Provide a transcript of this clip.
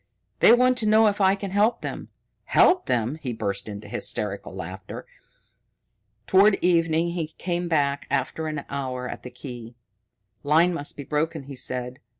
"They want to know if I can help them. Help them!" He burst into hysterical laughter. Toward evening he came back after an hour at the key. "Line must be broken," he said.